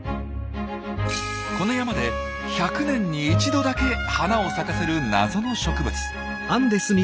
この山で１００年に一度だけ花を咲かせる謎の植物。